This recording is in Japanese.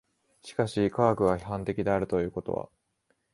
しかし科学が批判的であるということは